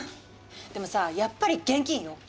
でもさあやっぱり現金よ。